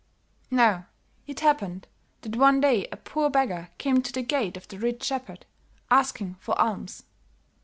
"Now, it happened, that one day a poor beggar came to the gate of the rich shepherd, asking for alms.